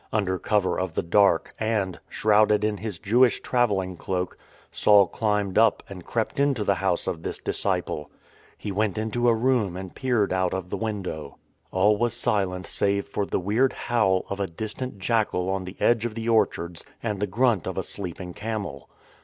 Under cover of the dark, and, shrouded in his Jewish travelling cloak, Saul climbed up and crept into the house of this disciple. He went into a room and peered out of the window. All was silent save for the weird howl of a distant jackal on the edge of the orchards and the grunt of a sleeping camel.